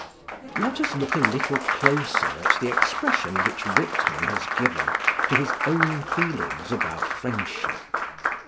Let us look a little closer at the expression which Whitman has given to his own feelings about friendship.